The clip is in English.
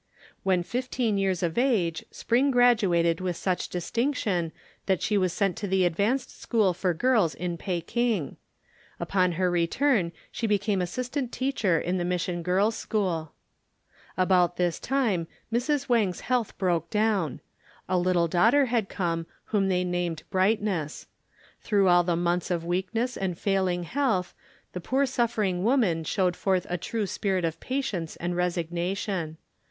When fifteen years of age Spring graduated with such distinction that she was sent to the advanced school for girls in Peking. Upon her return she became assistant teacher in the Mission Girls' School. About this time Mrs. Wang's health broke down. A little daughter had come whom they named "Brightness." Through all the months of weakness and failing health, the poor suffering woman showed forth a true spirit of patience and resignation.